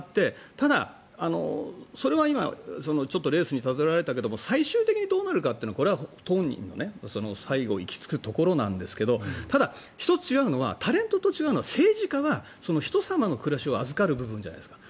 ただ、それは今ちょっとレースに例えられたけど最終的にどうなるかってのは本人の最後行き着くところなんですがただ、１つタレントと違うのは政治家は人様の暮らしを預かる部分じゃないですか。